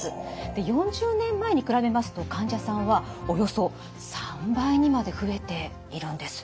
４０年前に比べますと患者さんはおよそ３倍にまで増えているんです。